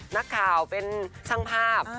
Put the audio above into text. นักข่าวเป็นช่างภาพ